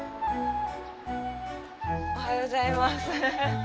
おはようございます。